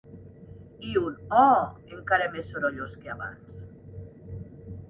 I un «oooh!» encara més sorollós que abans.